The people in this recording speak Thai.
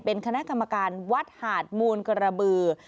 เป็นคณะกรรมการวัดหาดมูลกระบือ